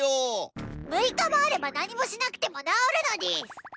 ６日もあれば何もしなくても治るのでぃす！